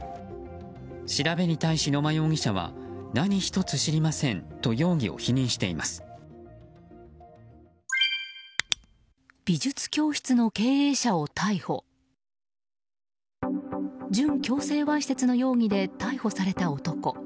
調べに対し、野間容疑者は何一つ知りませんと準強制わいせつの容疑で逮捕された男。